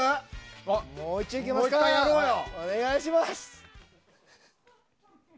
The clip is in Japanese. お願いします！